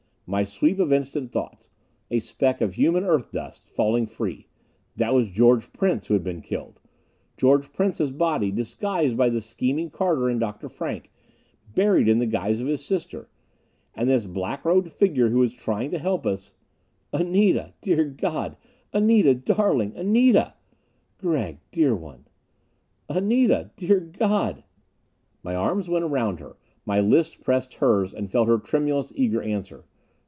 My sweep of instant thoughts. A speck of human Earth dust, falling free. That was George Prince, who had been killed. George Prince's body, disguised by the scheming Carter and Dr. Frank, buried in the guise of his sister. And this black robed figure who was trying to help us "Anita! Dear God! Anita, darling! Anita!" "Gregg, dear one!" "Anita! Dear God!" My arms went around her, my lips pressed hers, and felt her tremulous, eager answer.